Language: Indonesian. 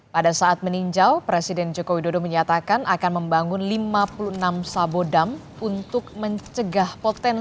pada saat meninjau presiden joko widodo menyatakan akan membangun lima puluh enam sabodam untuk mencegah potensi